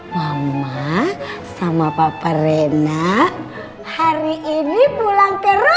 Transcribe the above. mama sama papa rena hari ini pulang ke rumah